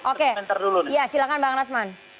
oke ya silakan bang lasman